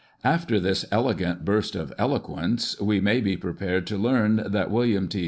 After this elegant burst of eloquence, we may be prepared to learn that William T.